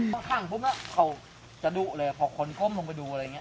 พอข้างพวกมันเขาจะดุเลยปากขนก้มลงไปดูอะไรเงี้ย